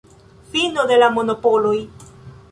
Fino de la monopoloj.